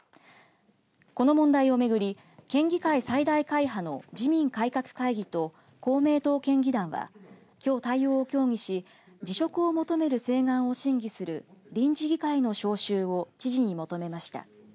この問題をめぐり県議会最大会派の自民改革会議と公明党県議団はきょう対応を協議し辞職を求める請願を審議する臨時議会の招集を知事に求めました。